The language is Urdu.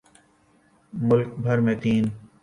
ملک بھر میں تین